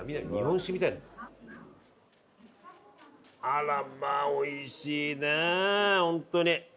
あらまあおいしいねホントに。